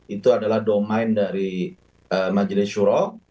itu adalah domain dari majelis syuroh